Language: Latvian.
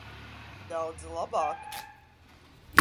Daudz labāk.